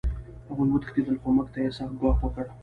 هغوی وتښتېدل خو موږ ته یې سخت ګواښ وکړ